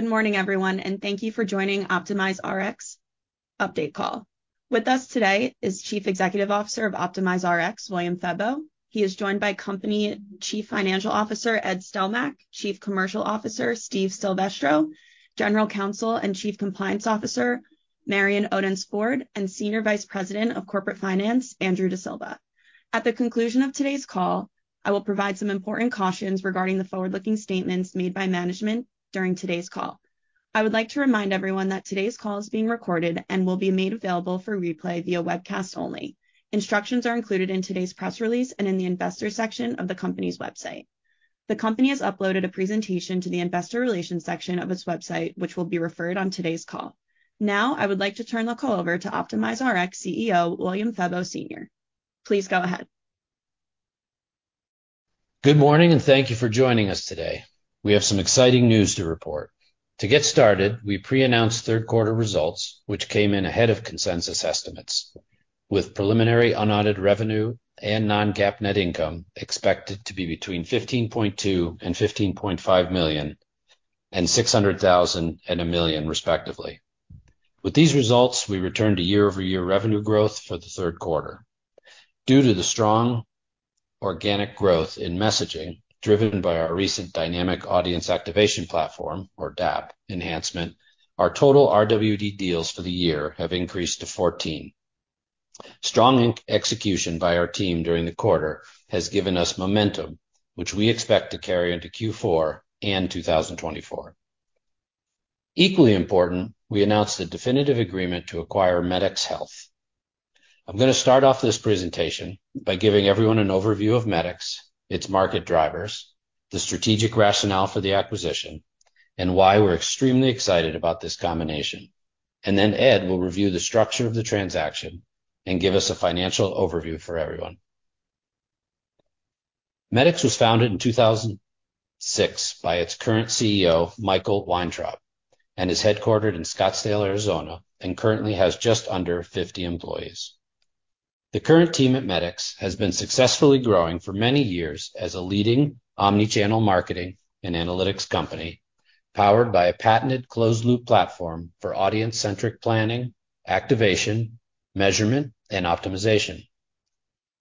Good morning, everyone, and thank you for joining OptimizeRx update call. With us today is Chief Executive Officer of OptimizeRx, William Febbo. He is joined by Company Chief Financial Officer, Ed Stelmakh, Chief Commercial Officer, Steve Silvestro, General Counsel and Chief Compliance Officer, Marion Odence-Ford, and Senior Vice President of Corporate Finance, Andrew D'Silva. At the conclusion of today's call, I will provide some important cautions regarding the forward-looking statements made by management during today's call. I would like to remind everyone that today's call is being recorded and will be made available for replay via webcast only. Instructions are included in today's press release and in the investor section of the company's website. The company has uploaded a presentation to the investor relations section of its website, which will be referred on today's call. Now, I would like to turn the call over to OptimizeRx CEO, William Febbo. Please go ahead. Good morning, and thank you for joining us today. We have some exciting news to report. To get started, we pre-announced third quarter results, which came in ahead of consensus estimates, with preliminary unaudited revenue and non-GAAP net income expected to be between $15.2 million-$15.5 million and $600,000-$1 million, respectively. With these results, we returned to year-over-year revenue growth for the third quarter. Due to the strong organic growth in messaging, driven by our recent Dynamic Audience Activation Platform, or DAAP, enhancement, our total RWD deals for the year have increased to 14. Strong execution by our team during the quarter has given us momentum, which we expect to carry into Q4 and 2024. Equally important, we announced a definitive agreement to acquire Medicx. I'm going to start off this presentation by giving everyone an overview of Medicx, its market drivers, the strategic rationale for the acquisition, and why we're extremely excited about this combination. And then Ed will review the structure of the transaction and give us a financial overview for everyone. Medicx was founded in 2006 by its current CEO, Michael Weintraub, and is headquartered in Scottsdale, Arizona, and currently has just under 50 employees. The current team at Medicx has been successfully growing for many years as a leading omni-channel marketing and analytics company, powered by a patented closed-loop platform for audience-centric planning, activation, measurement, and optimization.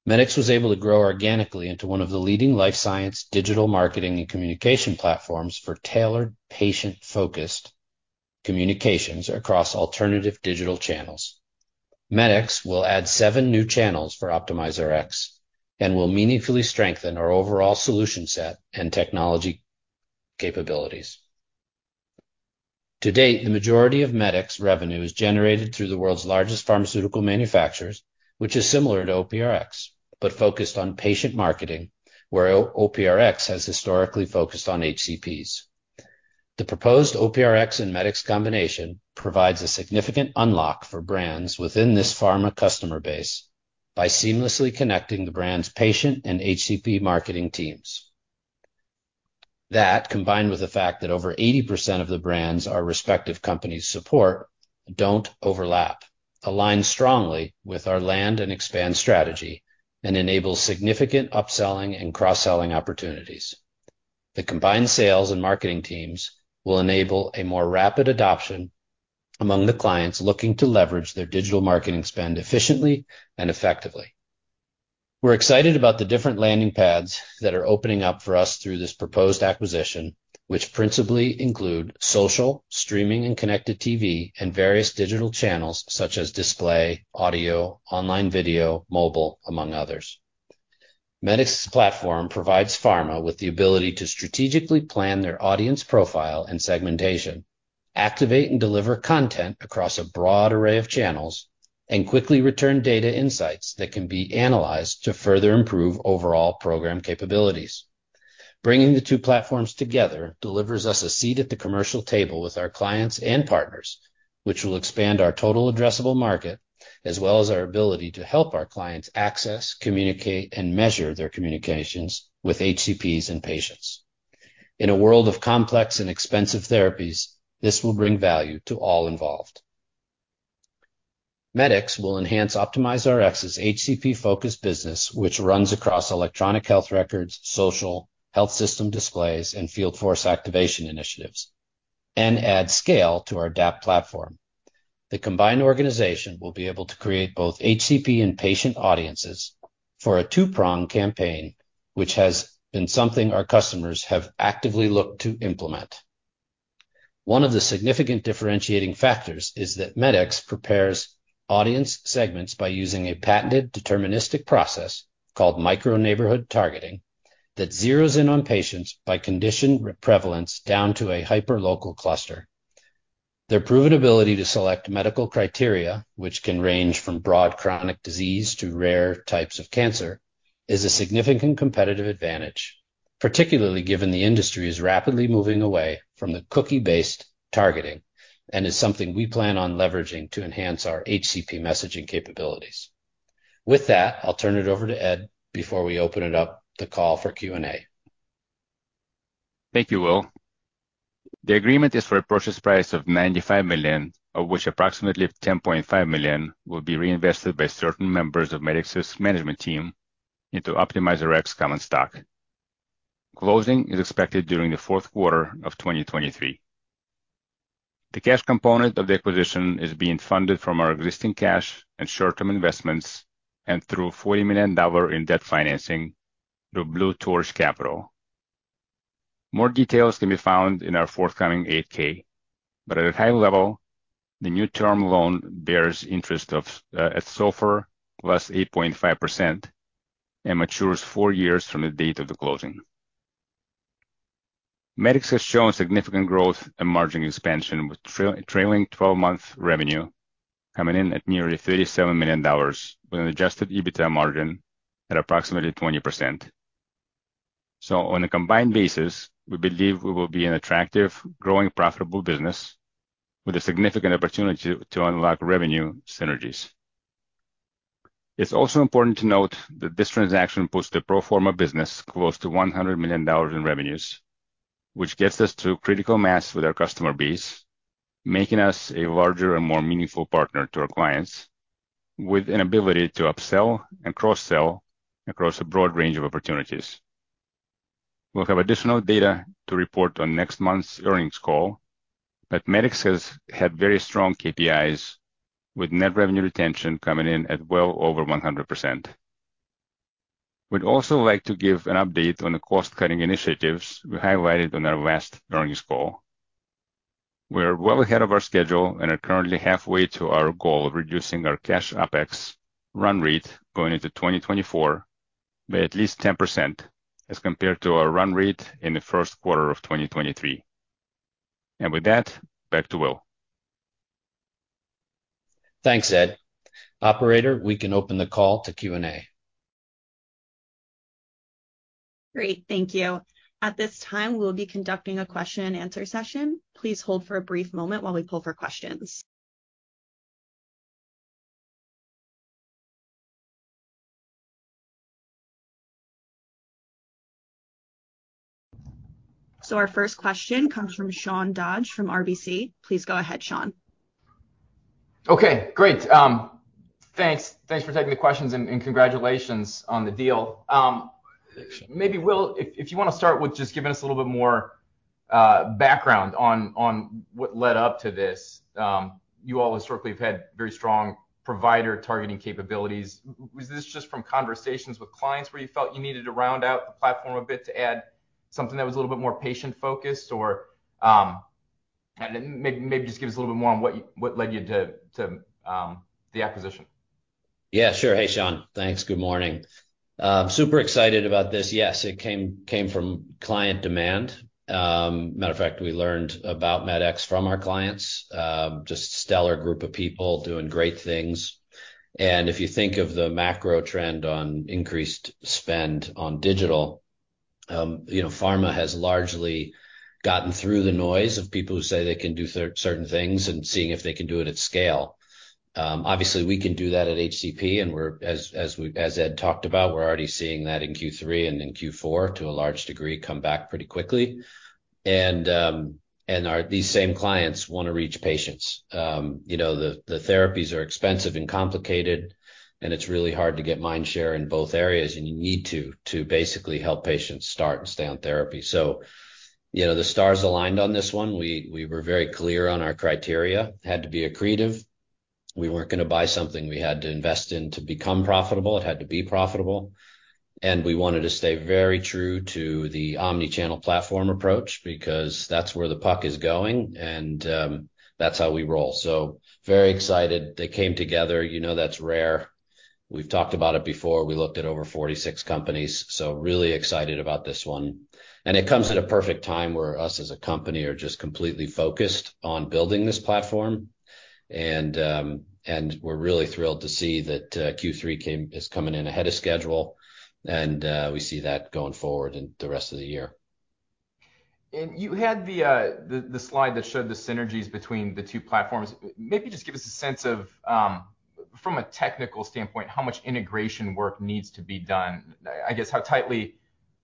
Medicx was able to grow organically into one of the leading life sciences, digital marketing, and communication platforms for tailored, patient-focused communications across alternative digital channels. Medicx will add seven new channels for OptimizeRx and will meaningfully strengthen our overall solution set and technology capabilities. To date, the majority of Medicx revenue is generated through the world's largest pharmaceutical manufacturers, which is similar to OPRX, but focused on patient marketing, where OPRX has historically focused on HCPs. The proposed OPRX and Medicx combination provides a significant unlock for brands within this pharma customer base by seamlessly connecting the brand's patient and HCP marketing teams. That, combined with the fact that over 80% of the brands our respective companies support don't overlap, align strongly with our land and expand strategy and enables significant upselling and cross-selling opportunities. The combined sales and marketing teams will enable a more rapid adoption among the clients looking to leverage their digital marketing spend efficiently and effectively. We're excited about the different landing pads that are opening up for us through this proposed acquisition, which principally include social, streaming, and Connected TV, and various digital channels such as display, audio, online video, mobile, among others. Medicx's platform provides pharma with the ability to strategically plan their audience profile and segmentation, activate and deliver content across a broad array of channels, and quickly return data insights that can be analyzed to further improve overall program capabilities. Bringing the two platforms together delivers us a seat at the commercial table with our clients and partners, which will expand our Total Addressable Market, as well as our ability to help our clients access, communicate, and measure their communications with HCPs and patients. In a world of complex and expensive therapies, this will bring value to all involved. Medicx will enhance OptimizeRx's HCP-focused business, which runs across electronic health records, social health system displays, and field force activation initiatives, and add scale to our DAAP platform. The combined organization will be able to create both HCP and patient audiences for a two-pronged campaign, which has been something our customers have actively looked to implement. One of the significant differentiating factors is that Medicx prepares audience segments by using a patented deterministic process called Micro-Neighborhood targeting, that zeros in on patients by condition prevalence down to a hyperlocal cluster. Their proven ability to select medical criteria, which can range from broad chronic disease to rare types of cancer, is a significant competitive advantage. Particularly, given the industry is rapidly moving away from the cookie-based targeting and is something we plan on leveraging to enhance our HCP messaging capabilities. With that, I'll turn it over to Ed before we open up the call for Q&A. Thank you, Will. The agreement is for a purchase price of $95 million, of which approximately $10.5 million will be reinvested by certain members of Medicx's management team.... into OptimizeRx common stock. Closing is expected during the fourth quarter of 2023. The cash component of the acquisition is being funded from our existing cash and short-term investments and through $40 million in debt financing through Blue Torch Capital. More details can be found in our forthcoming 8-K, but at a high level, the new term loan bears interest of at SOFR + 8.5% and matures four years from the date of the closing. Medicx has shown significant growth and margin expansion, with trailing twelve-month revenue coming in at nearly $37 million, with an adjusted EBITDA margin at approximately 20%. So on a combined basis, we believe we will be an attractive, growing, profitable business with a significant opportunity to unlock revenue synergies. It's also important to note that this transaction puts the pro forma business close to $100 million in revenues, which gets us to critical mass with our customer base, making us a larger and more meaningful partner to our clients, with an ability to upsell and cross-sell across a broad range of opportunities. We'll have additional data to report on next month's earnings call, but Medicx has had very strong KPIs, with net revenue retention coming in at well over 100%. We'd also like to give an update on the cost-cutting initiatives we highlighted on our last earnings call. We're well ahead of our schedule and are currently halfway to our goal of reducing our cash OpEx run rate going into 2024 by at least 10% as compared to our run rate in the first quarter of 2023. With that, back to Will. Thanks, Ed. Operator, we can open the call to Q&A. Great, thank you. At this time, we'll be conducting a question and answer session. Please hold for a brief moment while we pull for questions. Our first question comes from Sean Dodge from RBC. Please go ahead, Sean. Okay, great. Thanks. Thanks for taking the questions, and congratulations on the deal. Maybe, Will, if you wanna start with just giving us a little bit more background on what led up to this. You all historically have had very strong provider targeting capabilities. Was this just from conversations with clients, where you felt you needed to round out the platform a bit to add something that was a little bit more patient-focused? Or, and then maybe just give us a little bit more on what led you to the acquisition. Yeah, sure. Hey, Sean. Thanks. Good morning. Super excited about this. Yes, it came from client demand. Matter of fact, we learned about Medicx from our clients. Just a stellar group of people doing great things. And if you think of the macro trend on increased spend on digital, you know, pharma has largely gotten through the noise of people who say they can do certain things and seeing if they can do it at scale. Obviously, we can do that at HCP, and we're, as Ed talked about, we're already seeing that in Q3 and in Q4, to a large degree, come back pretty quickly. And, and our... These same clients wanna reach patients. You know, the therapies are expensive and complicated, and it's really hard to get mind share in both areas, and you need to basically help patients start and stay on therapy. So, you know, the stars aligned on this one. We were very clear on our criteria. Had to be accretive. We weren't gonna buy something we had to invest in to become profitable. It had to be profitable, and we wanted to stay very true to the omni-channel platform approach because that's where the puck is going, and that's how we roll. So very excited they came together. You know, that's rare. We've talked about it before. We looked at over 46 companies, so really excited about this one. It comes at a perfect time where us, as a company, are just completely focused on building this platform, and and we're really thrilled to see that Q3 is coming in ahead of schedule, and we see that going forward in the rest of the year. You had the slide that showed the synergies between the two platforms. Maybe just give us a sense of, from a technical standpoint, how much integration work needs to be done. I guess, how tightly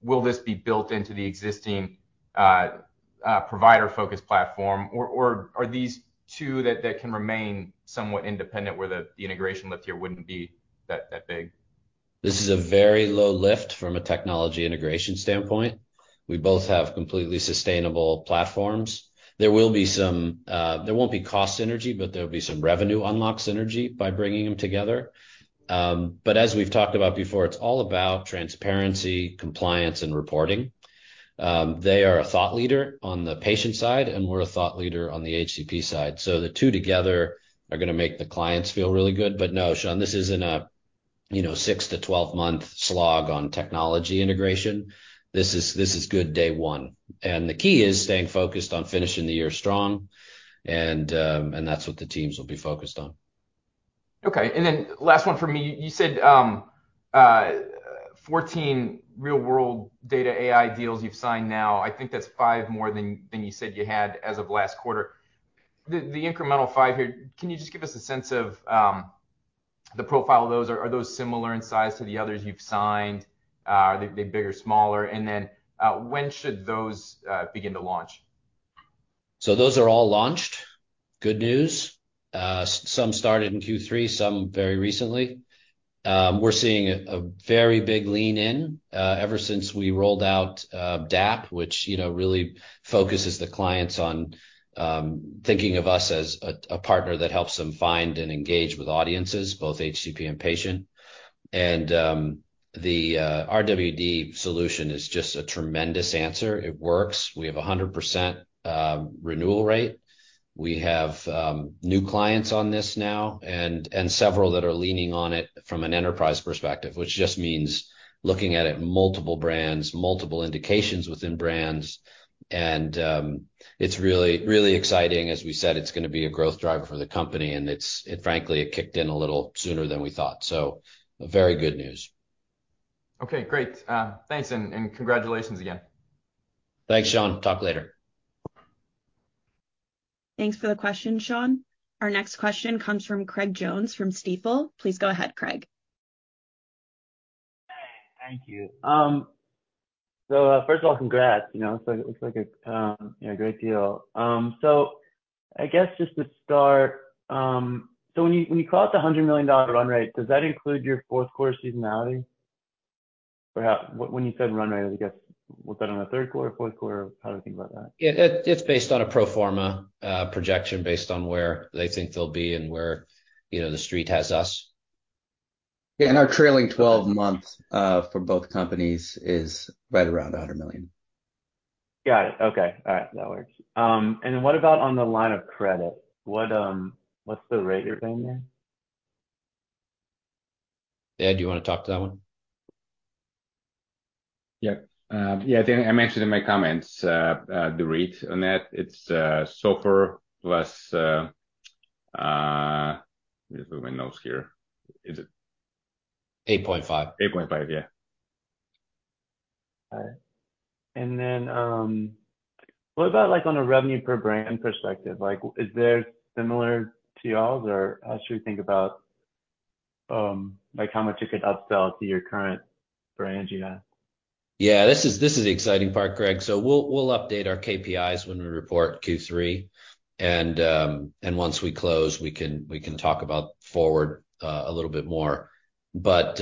will this be built into the existing provider-focused platform? Or are these two that can remain somewhat independent where the integration lift here wouldn't be that big? This is a very low lift from a technology integration standpoint. We both have completely sustainable platforms. There will be some. There won't be cost synergy, but there'll be some revenue unlock synergy by bringing them together. But as we've talked about before, it's all about transparency, compliance, and reporting. They are a thought leader on the patient side, and we're a thought leader on the HCP side, so the two together are gonna make the clients feel really good. But no, Sean, this isn't a, you know, 6-12-month slog on technology integration. This is, this is good day one. The key is staying focused on finishing the year strong, and that's what the teams will be focused on. Okay, and then last one from me. You said, 14 real-world data AI deals you've signed now. I think that's 5 more than you said you had as of last quarter. The incremental 5 here, can you just give us a sense of the profile of those? Are those similar in size to the others you've signed? Are they bigger, smaller? And then, when should those begin to launch?... So those are all launched. Good news. Some started in Q3, some very recently. We're seeing a very big lean in ever since we rolled out DAAP, which, you know, really focuses the clients on thinking of us as a partner that helps them find and engage with audiences, both HCP and patient. And the RWD solution is just a tremendous answer. It works. We have 100% renewal rate. We have new clients on this now and several that are leaning on it from an enterprise perspective, which just means looking at it multiple brands, multiple indications within brands. And it's really, really exciting. As we said, it's gonna be a growth driver for the company, and it frankly kicked in a little sooner than we thought. So very good news. Okay, great. Thanks, and, and congratulations again. Thanks, Sean. Talk later. Thanks for the question, Sean. Our next question comes from Craig Jones from Stifel. Please go ahead, Craig. Hey, thank you. So, first of all, congrats. You know, it looks like a, you know, a great deal. So I guess just to start, so when you, when you call it a $100 million run rate, does that include your fourth quarter seasonality? Or how—when you said run rate, I guess, was that on a third quarter, fourth quarter? How do we think about that? Yeah, it's based on a pro forma projection based on where they think they'll be and where, you know, the street has us. Yeah, and our trailing twelve month for both companies is right around $100 million. Got it. Okay. All right, that works. And what about on the line of credit? What, what's the rate you're paying there? Ed, do you want to talk to that one? Yeah. Yeah, I think I mentioned in my comments, the rate on that. It's SOFR plus... Let me look my notes here. Is it- 8.5. 8.5, yeah. All right. What about, like, on a revenue per brand perspective? Like, is there similar to y'all's, or how should we think about, like how much you could upsell to your current brands you have? Yeah, this is the exciting part, Craig. So we'll update our KPIs when we report Q3, and once we close, we can talk about forward a little bit more. But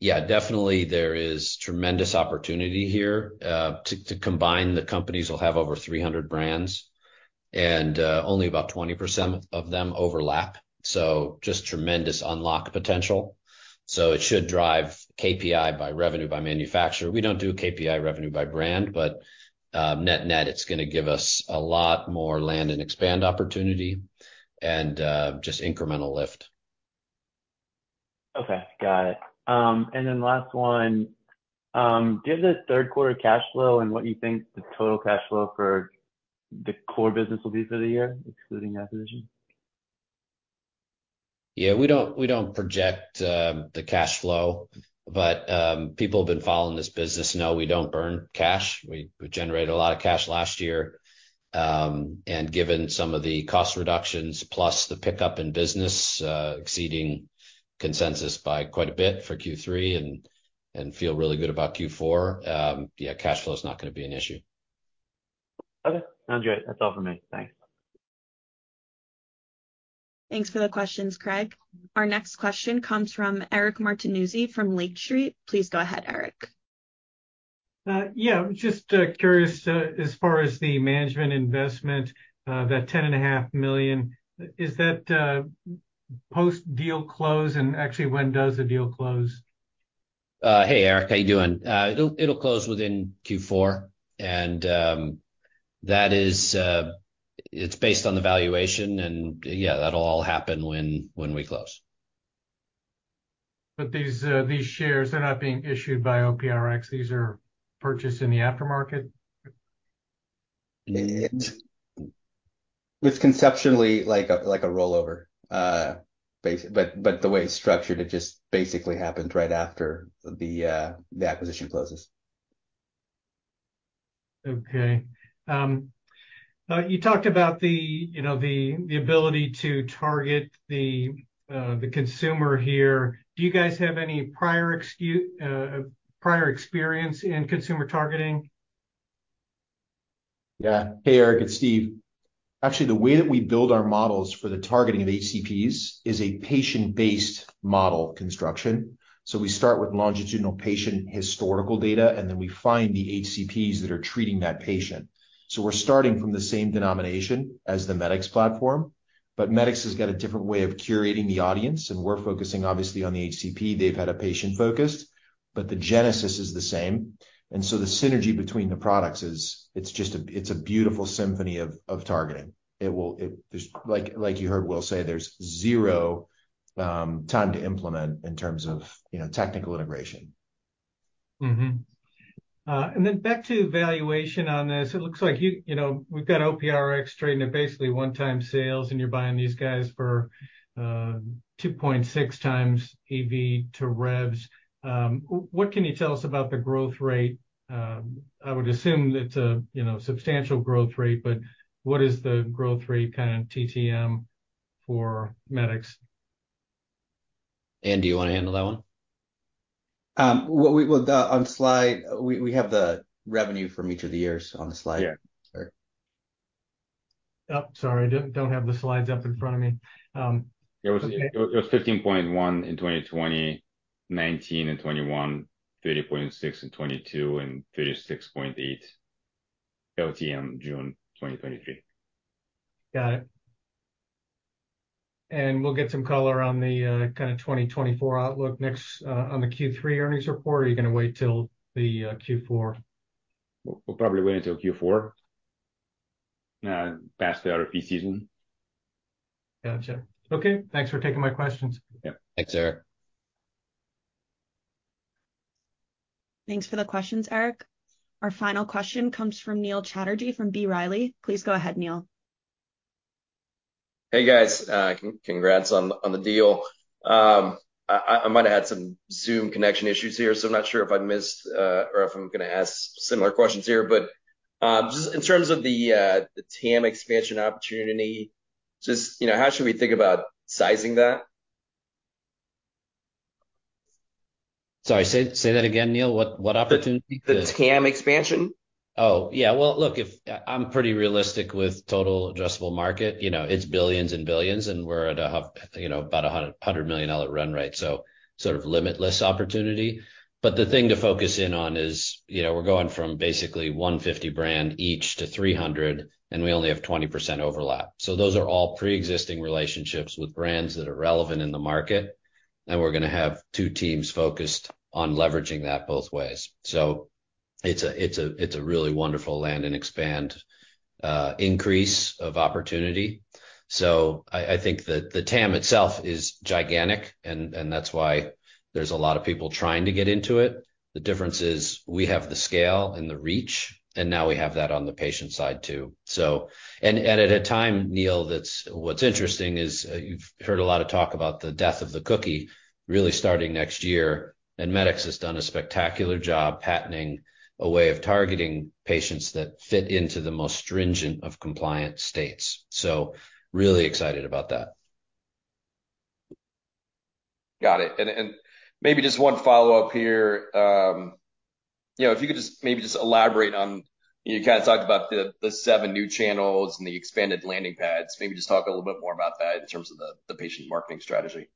yeah, definitely there is tremendous opportunity here. To combine, the companies will have over 300 brands, and only about 20% of them overlap, so just tremendous unlock potential. So it should drive KPI by revenue by manufacturer. We don't do KPI revenue by brand, but net-net, it's gonna give us a lot more land and expand opportunity and just incremental lift. Okay, got it. And then last one. Do you have the third quarter cash flow and what you think the total cash flow for the core business will be for the year, excluding acquisition? Yeah, we don't, we don't project the cash flow, but people who have been following this business know we don't burn cash. We, we generated a lot of cash last year. Given some of the cost reductions, plus the pickup in business, exceeding consensus by quite a bit for Q3 and feel really good about Q4, yeah, cash flow is not gonna be an issue. Okay, sounds great. That's all for me. Thanks. Thanks for the questions, Craig. Our next question comes from Eric Martinuzzi from Lake Street. Please go ahead, Eric. Yeah, just curious, as far as the management investment, that $10.5 million, is that post-deal close, and actually when does the deal close? Hey, Eric, how you doing? It'll close within Q4, and that is, it's based on the valuation, and yeah, that'll all happen when we close. But these, these shares, they're not being issued by OPRX. These are purchased in the aftermarket? It's conceptually like a, like a rollover, basic- but, but the way it's structured, it just basically happens right after the, the acquisition closes. Okay. You talked about the, you know, the ability to target the consumer here. Do you guys have any prior experience in consumer targeting? Yeah. Hey, Eric, it's Steve. Actually, the way that we build our models for the targeting of HCPs is a patient-based model construction. So we start with longitudinal patient historical data, and then we find the HCPs that are treating that patient. So we're starting from the same denominator as the Medicx platform, but Medicx has got a different way of curating the audience, and we're focusing obviously on the HCP. They've had a patient focus, but the genesis is the same, and so the synergy between the products is, it's just a it's a beautiful symphony of targeting. Like, like you heard Will say, there's zero time to implement in terms of, you know, technical integration. Mm-hmm. And then back to valuation on this. It looks like you—you know, we've got OPRX trading at basically 1x sales, and you're buying these guys for 2.6x EV to revs. What can you tell us about the growth rate? I would assume it's a—you know, substantial growth rate, but what is the growth rate kind of TTM for Medicx?... Dan, do you wanna handle that one? Well, on the slide, we have the revenue from each of the years on the slide. Yeah. Sorry. Oh, sorry, I don't have the slides up in front of me. Okay. It was 15.1 in 2019 and 2021, 30.6 in 2022, and 36.8 LTM, June 2023. Got it. We'll get some color on the kinda 2024 outlook next, on the Q3 earnings report, or are you gonna wait till the Q4? We'll probably wait until Q4, past the RFP season. Gotcha. Okay, thanks for taking my questions. Yeah. Thanks, Eric. Thanks for the questions, Eric. Our final question comes from Neil Chatterjee from B. Riley. Please go ahead, Neil. Hey, guys, congrats on the deal. I might have had some Zoom connection issues here, so I'm not sure if I missed or if I'm gonna ask similar questions here. But just in terms of the TAM expansion opportunity, just you know, how should we think about sizing that? Sorry, say that again, Neil. What opportunity? The TAM expansion. Oh, yeah. Well, look, if I- I'm pretty realistic with total addressable market. You know, it's billions and billions, and we're at a hu- you know, about a $100 million run rate, so sort of limitless opportunity. The thing to focus in on is, you know, we're going from basically 150 brand each to 300, and we only have 20% overlap. Those are all preexisting relationships with brands that are relevant in the market, and we're gonna have two teams focused on leveraging that both ways. It's a, it's a, it's a really wonderful land and expand, increase of opportunity. I think that the TAM itself is gigantic, and that's why there's a lot of people trying to get into it. The difference is we have the scale and the reach, and now we have that on the patient side too. So... And at a time, Neil, that's what's interesting is, you've heard a lot of talk about the death of the cookie, really starting next year, and Medicx has done a spectacular job patenting a way of targeting patients that fit into the most stringent of compliant states. So really excited about that. Got it. And, maybe just one follow-up here. You know, if you could just maybe just elaborate on... You kinda talked about the seven new channels and the expanded landing pads. Maybe just talk a little bit more about that in terms of the patient marketing strategy.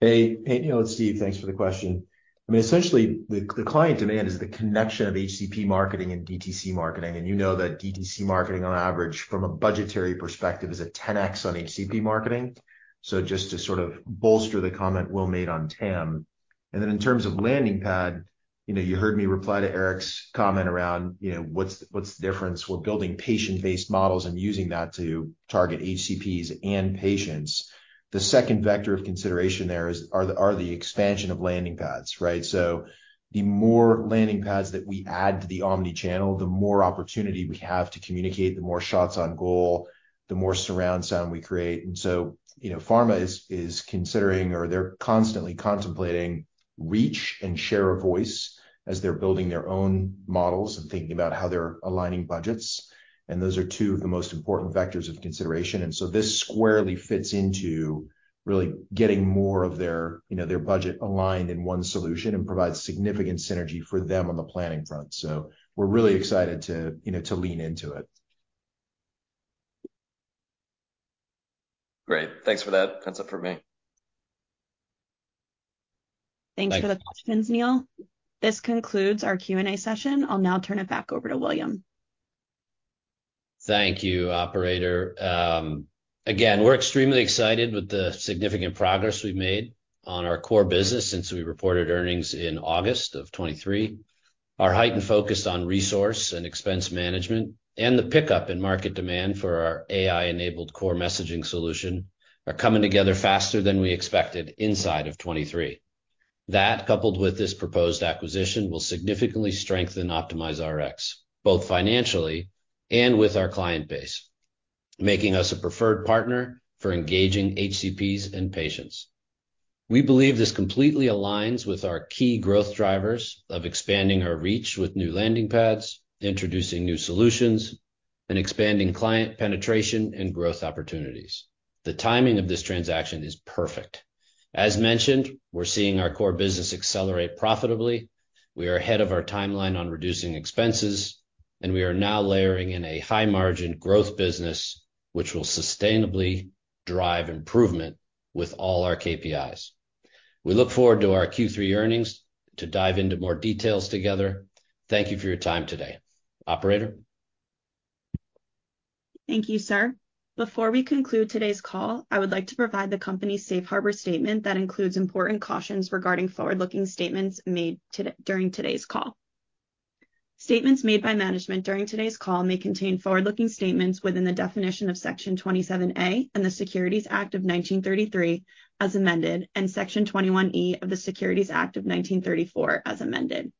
Hey, hey, Neil, it's Steve. Thanks for the question. I mean, essentially, the client demand is the connection of HCP marketing and DTC marketing, and you know that DTC marketing, on average, from a budgetary perspective, is a 10x on HCP marketing. So just to sort of bolster the comment Will made on TAM. And then in terms of landing pad, you know, you heard me reply to Eric's comment around, you know, what's the difference? We're building patient-based models and using that to target HCPs and patients. The second vector of consideration there is the expansion of landing pads, right? So the more landing pads that we add to the omni channel, the more opportunity we have to communicate, the more shots on goal, the more surround sound we create. So, you know, pharma is considering, or they're constantly contemplating reach and share of voice as they're building their own models and thinking about how they're aligning budgets, and those are two of the most important vectors of consideration. So this squarely fits into really getting more of their, you know, their budget aligned in one solution and provides significant synergy for them on the planning front. So we're really excited to, you know, to lean into it. Great. Thanks for that. That's it for me. Thanks for the questions, Neil. This concludes our Q&A session. I'll now turn it back over to William. Thank you, operator. Again, we're extremely excited with the significant progress we've made on our core business since we reported earnings in August of 2023. Our heightened focus on resource and expense management and the pickup in market demand for our AI-enabled core messaging solution are coming together faster than we expected inside of 2023. That, coupled with this proposed acquisition, will significantly strengthen OptimizeRx, both financially and with our client base, making us a preferred partner for engaging HCPs and patients. We believe this completely aligns with our key growth drivers of expanding our reach with new landing pads, introducing new solutions, and expanding client penetration and growth opportunities. The timing of this transaction is perfect. As mentioned, we're seeing our core business accelerate profitably. We are ahead of our timeline on reducing expenses, and we are now layering in a high-margin growth business, which will sustainably drive improvement with all our KPIs. We look forward to our Q3 earnings to dive into more details together. Thank you for your time today. Operator? Thank you, sir. Before we conclude today's call, I would like to provide the company's safe harbor statement that includes important cautions regarding forward-looking statements made during today's call. Statements made by management during today's call may contain forward-looking statements within the definition of Section 27A and the Securities Act of 1933, as amended, and Section 21E of the Securities Act of 1934, as amended.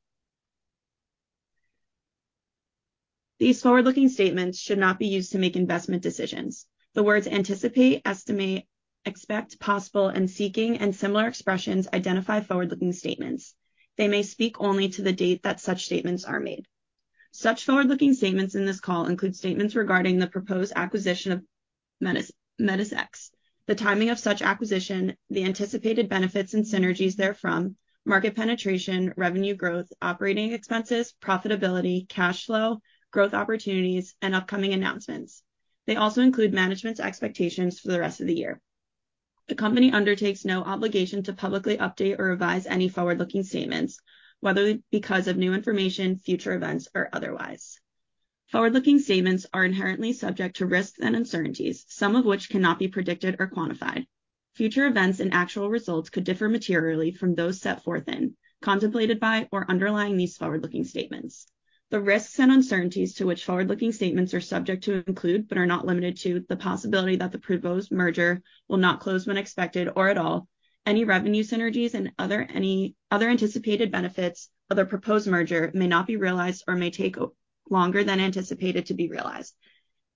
These forward-looking statements should not be used to make investment decisions. The words "anticipate," "estimate," "expect," "possible," and "seeking" and similar expressions identify forward-looking statements. They may speak only to the date that such statements are made. Such forward-looking statements in this call include statements regarding the proposed acquisition of Medicx, the timing of such acquisition, the anticipated benefits and synergies therefrom, market penetration, revenue growth, operating expenses, profitability, cash flow, growth opportunities, and upcoming announcements. They also include management's expectations for the rest of the year. The company undertakes no obligation to publicly update or revise any forward-looking statements, whether because of new information, future events, or otherwise. Forward-looking statements are inherently subject to risks and uncertainties, some of which cannot be predicted or quantified. Future events and actual results could differ materially from those set forth in, contemplated by, or underlying these forward-looking statements. The risks and uncertainties to which forward-looking statements are subject to include, but are not limited to, the possibility that the proposed merger will not close when expected or at all. Any revenue synergies and other, any other anticipated benefits of the proposed merger may not be realized or may take longer than anticipated to be realized.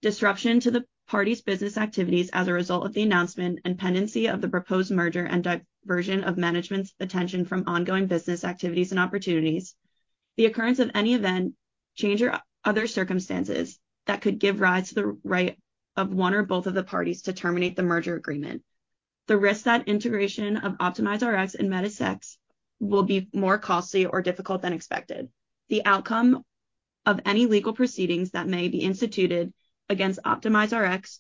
Disruption to the party's business activities as a result of the announcement and pendency of the proposed merger and diversion of management's attention from ongoing business activities and opportunities, the occurrence of any event, change or other circumstances that could give rise to the right of one or both of the parties to terminate the merger agreement. The risk that integration of OptimizeRx and Medicx will be more costly or difficult than expected. The outcome of any legal proceedings that may be instituted against OptimizeRx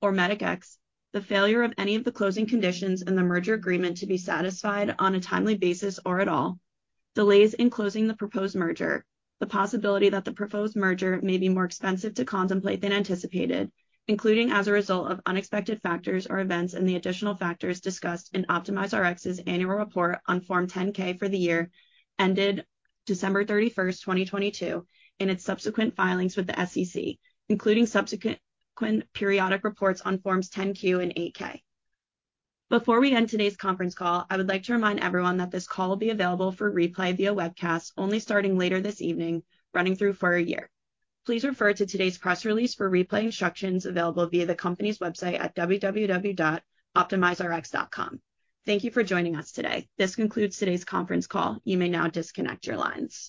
or Medicx, the failure of any of the closing conditions in the merger agreement to be satisfied on a timely basis or at all, delays in closing the proposed merger, the possibility that the proposed merger may be more expensive to complete than anticipated, including as a result of unexpected factors or events and the additional factors discussed in OptimizeRx's annual report on Form 10-K for the year ended December 31, 2022, and its subsequent filings with the SEC, including subsequent periodic reports on Forms 10-Q and 8-K. Before we end today's conference call, I would like to remind everyone that this call will be available for replay via webcast, only starting later this evening, running through for a year. Please refer to today's press release for replay instructions available via the company's website at www.optimizerx.com. Thank you for joining us today. This concludes today's conference call. You may now disconnect your lines.